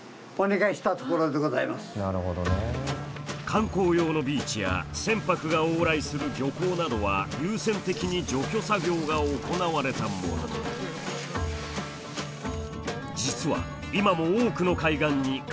観光用のビーチや船舶が往来する漁港などは優先的に除去作業が行われたものの実は今も多くの海岸に軽石が残されたまま。